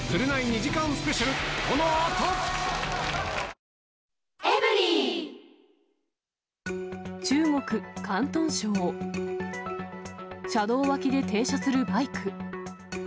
車道脇で停車するバイク。